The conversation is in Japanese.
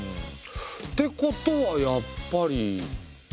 ってことはやっぱり。